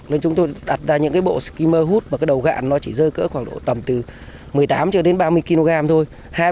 nên chúng tôi đặt ra những bộ skimmer hút mà đầu gạn nó chỉ rơi cỡ khoảng độ tầm từ một mươi tám ba mươi kg thôi